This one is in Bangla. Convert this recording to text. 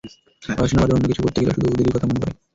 পড়াশোনা বাদে অন্য কিছু করতে গেলেও শুধু ওদেরই কথা মনে পড়ে।